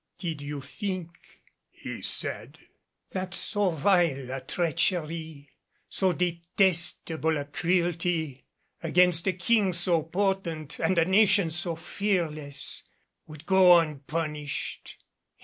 "Did you think," he said, "that so vile a treachery, so detestable a cruelty, against a King so potent and a nation so fearless, would go unpunished?